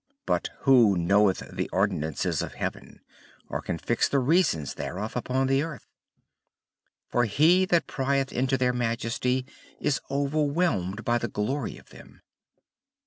But who KNOWETH THE ORDINANCES OF HEAVEN, OR CAN FIX THE REASONS THEREOF UPON THE EARTH? for he that prieth into their majesty, is overwhelmed by the glory of them.